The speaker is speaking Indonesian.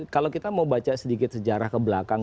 kalau kita mau baca sedikit sejarah ke belakang